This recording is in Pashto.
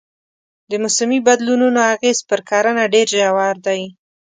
د موسمي بدلونونو اغېز پر کرنه ډېر ژور دی.